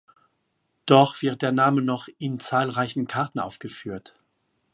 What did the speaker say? Doch wird der Name noch in zahlreichen Karten aufgeführt.